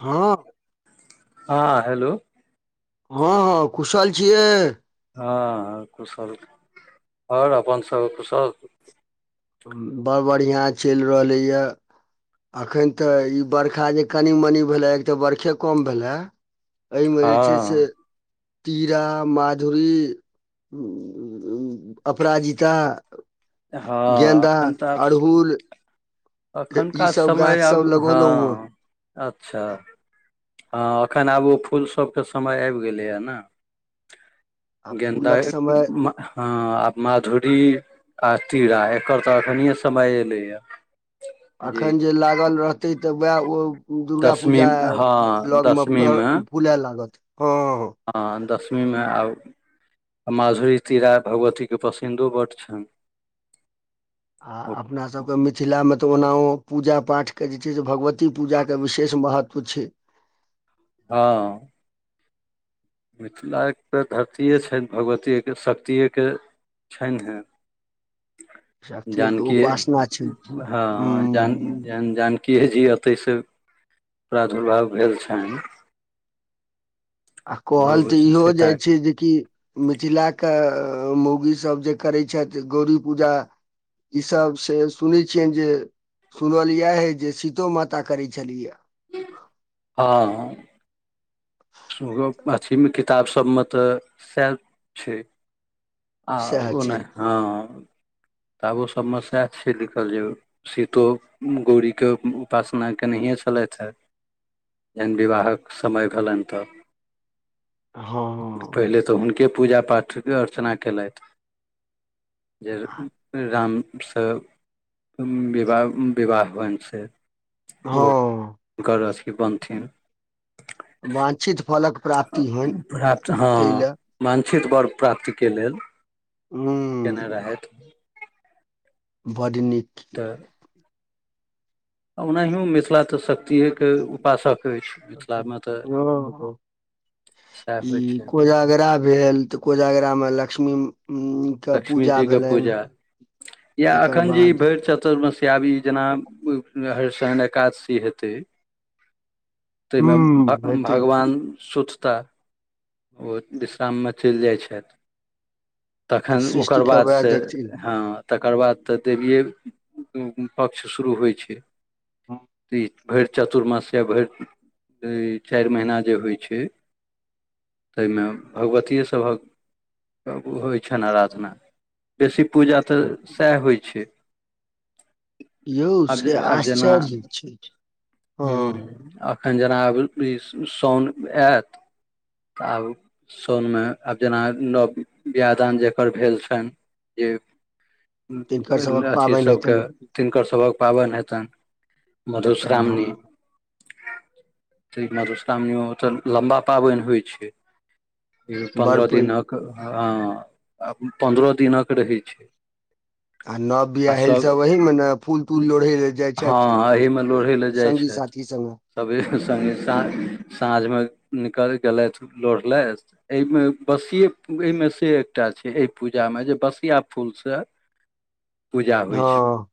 हँ हँ, हेलो हँ हँ, कुशल छियै? हँ कुशल, आओर अपन सब कुशल? बड़ बढ़िआँ चलि रहलैए अखन तऽ ई बरखा जे कनि मनि भेलैए, एक तऽ बरखे कम भेलए एहिमे जे छै से हँ तीरा, माधुरी अपराजिता हँ, गेन्दा अखन तऽ आब अड़हुल ई अखनका सब समय गाछ आब, सब लगौलहुँ हँ अच्छा हँ, एखन आब ओ फूल सबके समय आबि गेलैए ने! आ गेन्दा फूलक समय हॅं, माधुरी आ तीरा। एकर तऽ अखने समय एलैया एखन जे लागल रहतै तऽ वैह ओ दुर्गा दसमी पूजा हँ लगमे, दसमी मे फूलाए लागत। हँ हँ दशमीमे, आब माधुरी तीरा भगवतीके पसिन्दो बड्ड छनि आ अपना सभके मिथिलामे तऽ ओनाहो पूजा पाठके जे छै से भगवती पूजाके विशेष महत्व छै पुछहि हँ मिथिला एक तऽ धरतीए छनि भगवतिये के, शक्तियए के छनि हे! शक्तिएके जानकी, उपासना छै हँ हुँ जानकी जेहन जानकीए जी एतहिसॅं प्रादुर्भाव भेल छनि आ कहल भगव तऽ इहो सीता जाइ के। छै जे कि मिथिलाके मौउगी सभ जे करैत छथि गौरी पूजा ई सब से सुनै छियनि जे सुनल इएह एहि जे सीतो माता करै छलिहे हँ, हँ [unintelligible] गप्प अथीमे, किताब सबमे तऽ सएह छै आ सएह ओ छै नहि, हँ किताबो सभमे सएह छै लिखल जे सीतो गौरीके उपासना केनहिए छलथि हेँ जहन विवाहक समय भेलनि तऽ हँ पहिले तऽ हुनके पूजा-पाठक अर्चना केलथि, जे रामसँ विवाह, विवाह होनि से ओ हँ हुनकर अथी बनथिन [unintelligible] वांछित फलक प्राप्ति होनि प्राप्त ताहि हँ, लए वांछित वर प्राप्तिक लेल हू केने रहैथ बड्ड नीक तऽ ओनाहियो मिथिला तऽ शक्तिएके उपासक अछि, मिथिलामे तऽ ओ सैह होइ छै! जागरा [unintelligible] भेल तऽ कोजागरा मे लक्ष्मी के लक्ष्मी पूजा जी के भेलनि पूजा यैह, तकर अखन जे ई बाद भरि चतुर्थमेश्यबी जेना रवि शनि एकादशी हेतै तहिमे ह्म हेतै भगवान सुतताह ओ विश्राममे चलि जाइत छथि तऽ तखन सृष्टि ओकर के बाद वएह से देखथिन ह तकर बाद तऽ देवीए पक्ष शुरू होइ छ भरि चतुर्मास या भरि चारि महिना जे होइ छ तईमे भगवतिये सबक होइ छ छैन आराधना बेसी पूजा तऽ सएह होइ छ यौ आब जे से आब जेना आश्चर्य छै हँ ह् एखन जेना आब ई साउन आयत तऽ आब साउनमे आब जेना न प्रदान जकर भेल छेन‌ जे तिनकर सभक अथी पाबनि सबक हेतनि तिनकर सभक पाबनि हेतनि हेतनि मधुश्रावण हँ त ई मधुश्रावणीयो तऽ लम्बा पाबनि होइ छ ई बड़ पन्द्रह पैघ दिनक हँ पन्द्रह दिनक रहै छ आ नव बियाह ह सब अहीमे ने फूल तूल लोढ़य लए जाई छ ओमे लोढ़ै लए जाइ छथ सभी संगे सा साँझमे निकल गेलथि लोढ़लथ एहिमे बसिये एहिमे स एकटा छै एहि पूजामे जे बसिया फूलसँ पूजा होइ छ हँ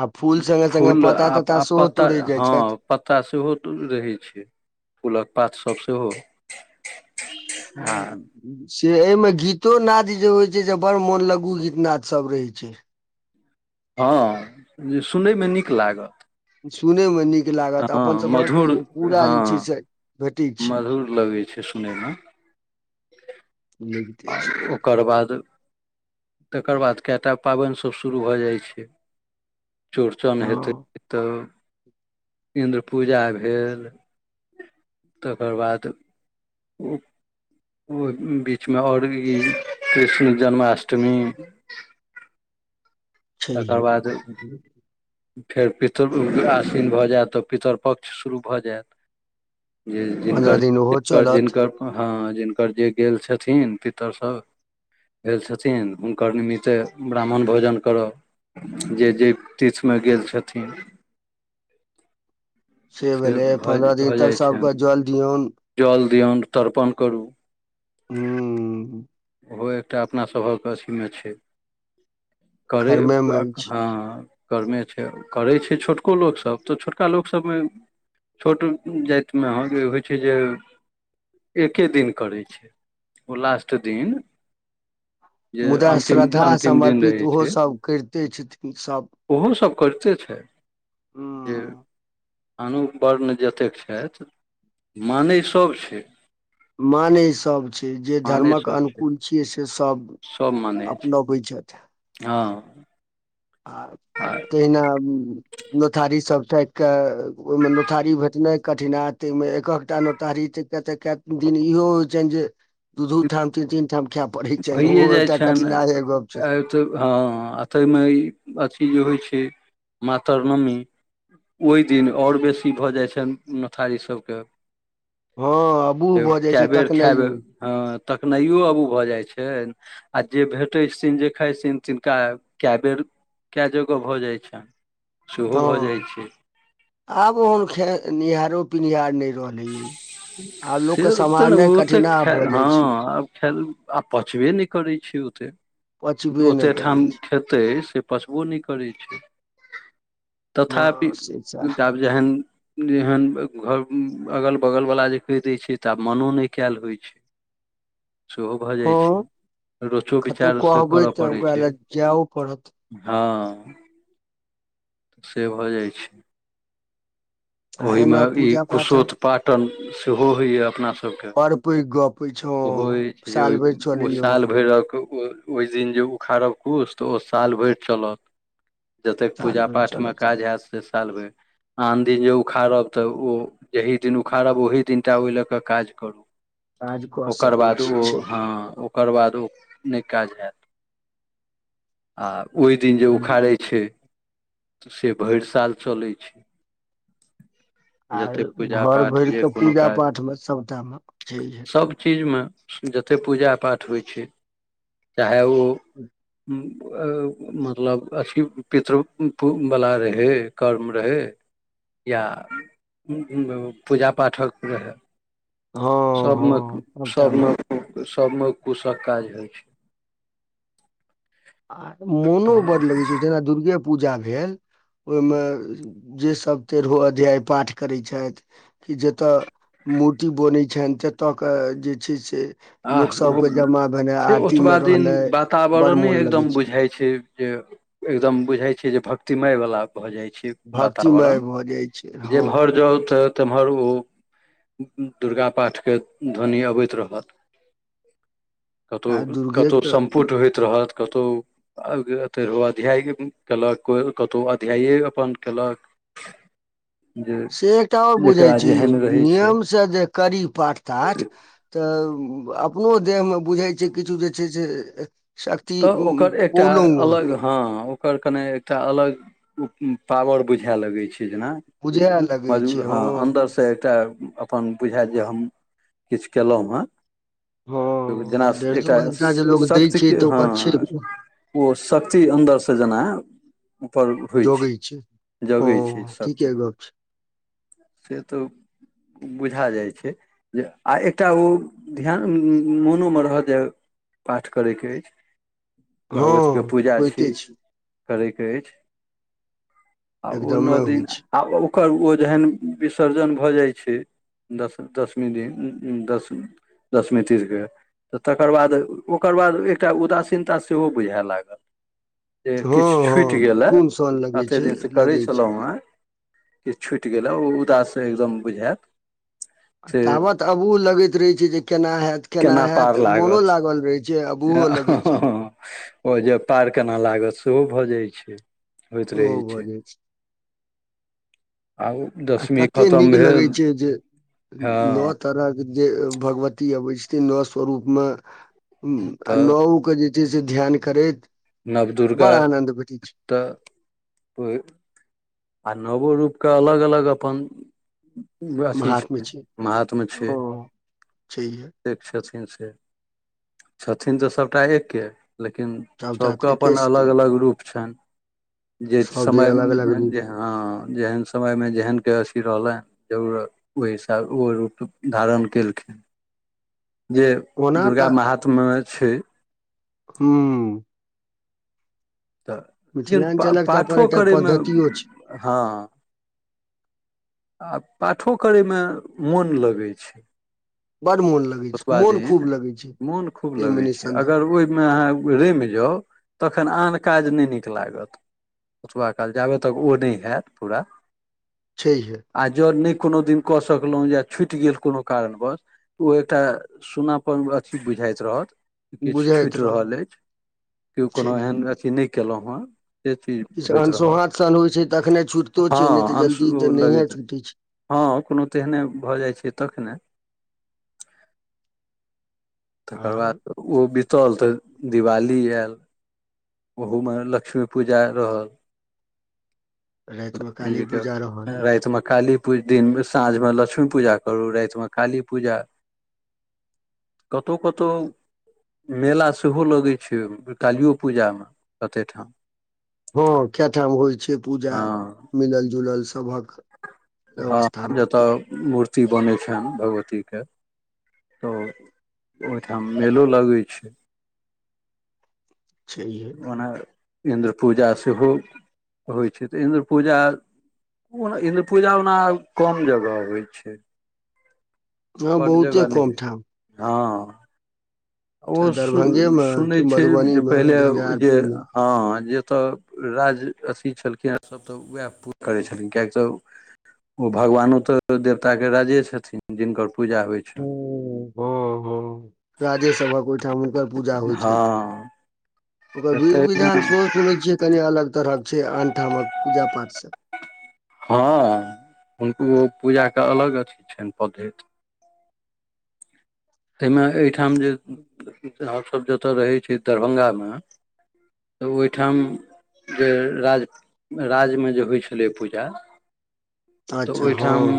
आ फूल संगे संगे फूल पत्ता आ तत्ता आ सेहो पत्ता तोड़े जाइ ह छथि पत्ता सेहो तुरल रहै छै फूलक पातसभ सेह ह से एहिमे गीतो नाद जे होइ छै से बड़ मोन लगु गीत नाद सब रहै छ हँ जे सुनैमे नीक लाग सुनयमे नीक लागत अपन सभक मधुर पूरा हँ जे छै स मधुर लगै छै सुनैम लेगत ओकर बाद तकर बाद केटा पाबन सभ शुरू भऽ जाइ छ चरुचनि हेत हँ तब इन्द्र पूजा भेल तकर बा ओ ओ बीचमे ओर ई कृष्ण जन्माष्टम तकर छैह बाद फेर पितर असिन भऽ जायत तऽ पितरपक्ष शुरू भऽ जाय जे पन्द्रह जिनकर दिन ओहो जिनकर चलत जिनक हँ जिनकर जे गेल छथिन पितरस भेल छथिन हुनकर निमित्ते ब्राह्मण भोजन कर जे जे तीर्थमे गेल छथि से भेलै भऽ पन्द्रह दिन भऽ तक जाइ छनि सभके जल दियौ जल दिऔन तर्पण कर हूँ ओहो एकटा अपना सभहके अथीमे छै करै कर्मेमे अछि ह करर्मे छै करै छै छोटका लोकसभ तऽ छोटका लोकसभ मे छोट जातिमे अहाँके होइत छै ज एकके दिन करै छै ओ लास्ट दि मुदा श्रद्धा समर्पित रहै छै ओहोसभ करिते छथिनसभ ओहो सभ करिते छै ज हूँ अनु वर्ण जतेक छथि मानै सभ छ माने ई सभ छै जे मानै धर्मक सभ छै अनुकूल छियै से सभ अपनाबैत छथ ह आ तहिना नोथारी सब प क ओहिमे नोठारी भेटना कठिना ताहिमे एक एकटा नतारी त तऽ कए दिन इहो होइ छनि ज दू दू ठाम तीन तीन ठाम खाय पड़ै छैन भइए ओहो जाइ एकटा छनि कठिनाइयै गप छै आ तऽ हँ आ ताहिमे ई अथी जे होइ छै माँतरनवमी ओहि दिन और बेसी भऽ जाइ छन नोथारी सभके हँ बूढ़ भऽ जाइ कए छै बेर खायब तकनाइयो तकनाईयो अबू भऽ जाय छै छै आ जे भेटै छिन जे खाइत छिन तिनका कए बेर कए जगह भऽ जाइ छैन सेहो भऽ जाइ हँ छै आब ओहन खे निहारो पिनिहारो नहि रहलैय से तऽ ने ओते खा भऽ जाइ हँ छै आब खाय आ पचबे नहि करै छै ओते पचबे नहि ओतेक ठाम करै छै खेत से पसबो नहि करै छै हँ तथापि से सैह जेहन जेहन घर [unintelligible] [unintelligible] अगल बगल वाला जे कहि दय छै तऽ आब मनो नहि कयल होइ छै सेहो भऽ जाइ हँ छै रोचो कतहु विचारसँ कहबै करय तऽ पड़ै ओकरा छै लए जायओ पड़त हँ से भऽ जाइ छै आ ओहीमे एना ई पूजा पाठ कुशोथपाटन सेहो होइए अपनासभके अरपै गप अछि ओ हो हँ अछि जे साल ओहि भरि ओ चलै साल भैरक ओ ओहि दिन जे उखाड़ब कूश तऽ ओ साल भरि चलत जते साल पूजा भरि पाठमे चलत काज हैत से साल भर आन दिन जे उखाड़ब तऽ ओ जेही दिन उखाड़ब ओही दिन टा ओहि लऽ कऽ काज करू काज कऽ ओकर सकै बाद ओ छी हँ ओकर बाद ओ नहि काज हयैत आ ओए दिन जे ई उखाड़ै छै तऽ से भरि साल चलै छै आर जते पूजा घर पाठ भरि जे के कोनो पूजा काज पाठ मे सबटा मे छैहे सभ चीजमे जतेक पूजा पाठ होइ छै चाहे ओ मतलब अथि पितृवला रहै कर्म रहै या पूजा पाठक रहै हँ सबमे हँ सबटा मे सबमे सबमे कुशक काज होइ छै आ मोनो तऽ बड्ड लगैत छौ जेना दुर्गे पूजा भेल ओहिमे जेसभ तेरहो अध्याय पाठ करै छैएथ कि जतय मूर्ति बनै छनि ततय के जे छै से आ लोक ओ सबके जमा भेनाइ से आरती मे ओतबा दिन रहनाइ बड़ वातावरणे एक मोन लगै एकदम छै बुझाय छै जे एकदम बुझाय छै जे भक्तिमय वाला भऽ जाइ छै भक्तिमय वातावरण भऽ जाइ छै जेम्हर हँ जाउ तऽ तम्हर ओ दुर्गा पाठके ध्वनि अबैत रहत आ कतहु दुर्गे कतहु के सम्पुट होइत रहत कतहु आ तेरहो अध्याय कयलक को कतहु अध्यायए अपन कयलक [inaudible] [inaudible] से एकटा आओर जेकरा बुझाईछै यौ जेहन रहै छै नियमसँ जे करी पाठ ताठ तऽ अपनो देहमे बुझै छै किछु जे छै से शक्त तऽ उ ओ ओकर एकटा पोल वा अलग हँ ओकर कने एकटा अलग पावर बुझए लगै छै ने बुझए लगै छै मजबू [unintelligible] हँ अन्दर से [unintelligible] तऽ एकटा अपन बुझायत जे हम किछु केलौ हँ जेना हँ डेढ़ दू एकटा घंटा जे श लोग दै शक्त छै तऽ ओकर छै ओ शक्ति अन्दर से जेना ऊपर उठईछै जोगै छै हँ जगै छै शक्ति ठीके गप छै से तऽ बुझा जाइ छै जे आ एकटा ओ ध्यान मोनोमे रहय जे पाठ करयके अई हँ भगवछी के पूजा छी होइते छै करयके अछि आ ओ नौ एकदमे दि होइ छै आ ओकर ओ जहन विसर्जन भऽ जाइ छ दस दसमी दिन द दसमी तीर के तऽ तकर बाद ओकर बाद ए एकटा उदासीनता सेहो बुझाय लाग जे हँ किछु हँ छूटि गेलए खून सन लगै कतेक छै दिनसँ करै लगै छै छलहुँ हे कि छुटि गेलै ओ उदासँ एकदम बुझाय तावत अबू लगैत रहे छै जे केना हयत केना पार हयत मोनो लागत लागल रहे छ ओ जे पार केना लागत सेहो भऽ जाइत छ होइत सेहो रहै भऽ छै जाइ आ दसमी कते खतम नीक लगे भेल छै जे हँ नओ तर भगवती अबै छथिन नओ स्वरूप मे आ तऽ नओ के ज चीज ध्यान करै नवदुर्ग तऽ ओ आ नवो रूपके अलग अलग अप अथी महात्म छै महात्म छ छहि छथिन से छथिन तऽ सभटा एकके लेकि सभटा सभके एके अपन अलग छथिन अलग रूप छनि जे सभ दिन समय अलग अलग रूप ज हँ जेहन समयमे जेहनके अथी रहलन जरूर ओहि हिसाब ओ रूप धारण केलखि जे ओना दुर्गा महात्मा छ हू तऽ लेकिन पा मिथिलाञ्चलक तऽ अपन पाठो एकटा करैमे पद्धतियो छै ह आ पाठो करयमे मोन लगै छ बड मन लग ओतबा दिन मोन खूब ताहिमे लगै छै निःसन्देह अगर ओहिमे अहा रमि जाउ तखन आन काज नहि नीक लाग ओतबा काल जाबे तक ओ नहि होयैत पूर छै छ आओ जर नहि कोनो दिन कऽ सकलहुँ या छुटि गेल कोनो कारणव ओ एकटा सुनापर अथी बुझाइत रह किछ बुझाइत छूटि रहल रहत अछि केओ कोनो छैहे एहन अथी नहि कयलहुँ हे से चीज किछु होइत रहल अनसोहान सन होइ छै तखने छुटितो छै नहि तऽ हँ जल्दी तऽ अंशु नहिए लगैत र छुटै छै हँ कोनो तेहने भऽ जाइ छै तखन आ तकर बाद ओ बितल तऽ दिवाली आय ओहुमे लक्ष्मी पूजा रह रातिमे काली लक्ष्मीजी के पूजा रहल रतमे खाल दिन साँझमे लक्ष्मी पूजा करू रातिमे कालीपूजा कतहु कतह मेला सेहो लगै छै कालियो पूजामे कते ठा हँ कए ठाम होइ छै पूजा हँ मिलल जुलल सभ हँ जतय मूर्ति बनै छनि भगवती तऽ ओहिठाम मेलो लगै छ छै ओना इन्द्र पूजा सेहो होइ छै त इन्द्र पूजा ओ इन्द्र पूजा ओना कम जगह होइ छ हँ बड बहुते जगह कम नहि ठाम ह ह ओ चाहे सु दरभंगेमे कि सुनैत छै जे मधुबनीमे पहिले जे झंझारपुरमे हँ जे तऽ राज अथी छलखिन हँ स तऽ उएह पू करै छलन किएकि त ओ भगवानो तो देवता के राजे छथिन जिनकर पूजा होय छ हँ हँ राजे सभक ओहिठाम हुनकर पूजा होइ छनि हँ ओकर बध एतेक विधान सो सुनै छियै कनि अलग तरहक छै आन ठामक पूजा पाठ स हँ हुनको पूजा के अलग अथी छनि धत एहिमे एहिठाम ज [inaudible] हमसब जेतोऽ रहै छी दरभंगा मे तऽ ओहिठा जे राज राजमे जे होइ छलै पूज तऽ अच्छा ओहिठा हँ